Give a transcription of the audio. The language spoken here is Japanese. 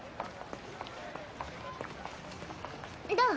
どう？